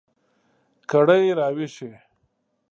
کړئ را ویښې